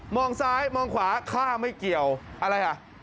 ซ้ายมองขวาข้าไม่เกี่ยวอะไรอ่ะ